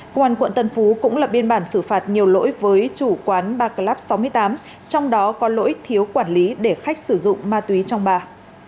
công an quận tân phú cũng lập biên bản xử phạt nhiều lỗi với chủ quán barclub sáu mươi tám trong đó có lỗi thiếu quản lý để khách sử dụng ma túy trong ba